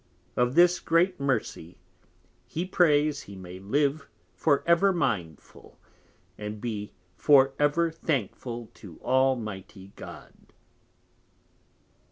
Of this great Mercy he prays he may live for ever mindful, and be for ever thankful to Almighty God.